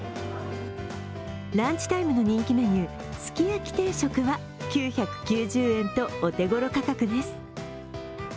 ランチタイムの人気メニュー、すき焼き定食は９９０円とお手頃価格です。